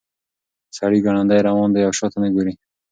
سړی ګړندی روان دی او شاته نه ګوري.